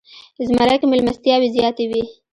زمری کې میلمستیاوې زیاتې وي.